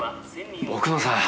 奥野さん。